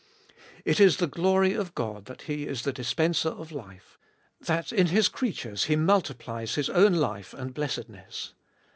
It is the glory of God that He is the dispenser of life — that in His creatures He multiplies His own life and blessedness.